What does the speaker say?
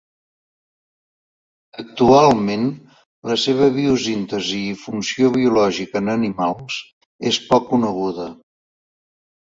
Actualment, la seva biosíntesi i funció biològica en animals és poc coneguda.